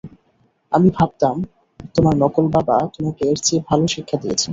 আমি ভাবতাম তোমার নকল বাবা তোমাকে এর চেয়ে ভালো শিক্ষা দিয়েছে।